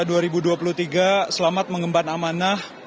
untuk abang none jakarta dua ribu dua puluh tiga selamat mengembang amanah